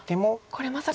これまさか。